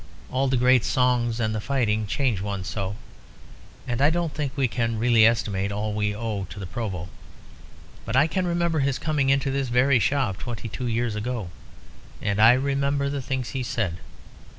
All the great songs and the fighting change one so; and I don't think we can really estimate all we owe to the Provost; but I can remember his coming into this very shop twenty two years ago, and I remember the things he said.